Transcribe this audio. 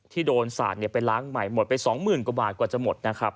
ที่โดนสาดไปล้างใหม่หมดไป๒๐๐๐กว่าบาทกว่าจะหมดนะครับ